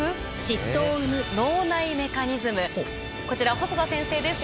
こちら細田先生です